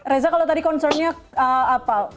reza kalau tadi concern nya apa